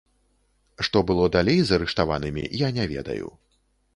Што было далей з арыштаванымі, я не ведаю.